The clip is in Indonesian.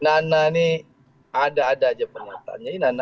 nana nih ada ada aja penyataannya